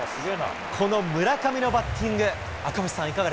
この村上のバッティング、赤星さ